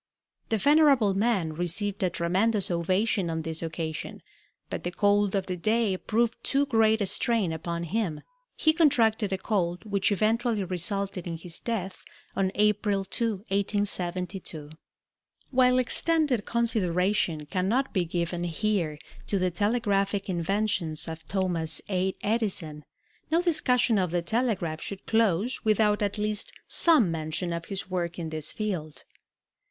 The venerable man received a tremendous ovation on this occasion, but the cold of the day proved too great a strain upon him. He contracted a cold which eventually resulted in his death on April 2, 1872. While extended consideration cannot be given here to the telegraphic inventions of Thomas A. Edison, no discussion of the telegraph should close without at least some mention of his work in this field.